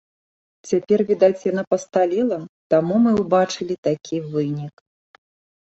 Цяпер, відаць, яна пасталела, таму мы ўбачылі такі вынік.